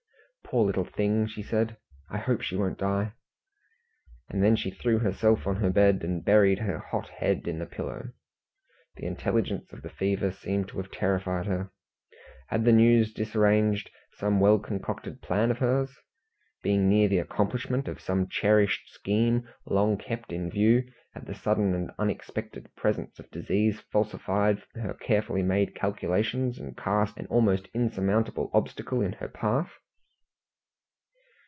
"Poor little thing," she said; "I hope she won't die." And then she threw herself on her bed, and buried her hot head in the pillow. The intelligence of the fever seemed to have terrified her. Had the news disarranged some well concocted plan of hers? Being near the accomplishment of some cherished scheme long kept in view, had the sudden and unexpected presence of disease falsified her carefully made calculations, and cast an almost insurmountable obstacle in her path?